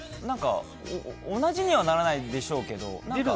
何か、同じにはならないでしょうけど。